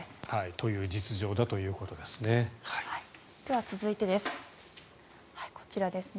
という実情だということですね。